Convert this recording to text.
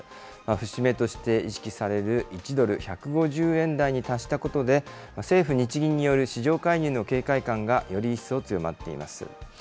節目として意識される１ドル１５０円台に達したことで、政府・日銀による市場介入の警戒感がより一層強まっています。